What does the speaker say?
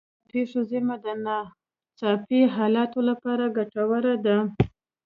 د پیسو زیرمه د ناڅاپي حالاتو لپاره ګټوره ده.